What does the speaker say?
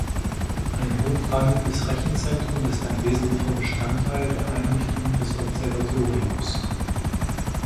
Ein hochrangiges Rechenzentrum ist ein wesentlicher Bestandteil der Einrichtungen des Observatoriums.